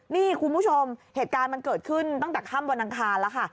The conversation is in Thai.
นี่คุณผู้ชมเหตุการณ์มันเกิดขึ้นตั้งแต่ค่ำวันอังคารแล้วค่ะ